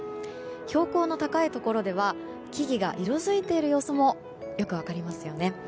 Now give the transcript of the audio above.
標高の高いところでは木々が色づいている様子もよく分かりますよね。